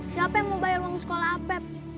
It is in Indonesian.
siapa yang mau bayar uang sekolah apep